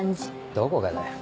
どこがだよ。